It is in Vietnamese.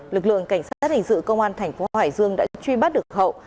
lực lượng cảnh sát hình sự công an thành phố hải dương đã truy bắt được hậu